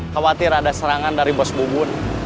khawatir ada serangan dari bos bubun